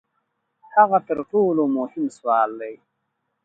هغه تر ټولو مهم سوال دی.